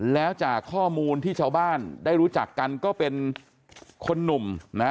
แล้วจากข้อมูลที่ชาวบ้านได้รู้จักกันก็เป็นคนหนุ่มนะ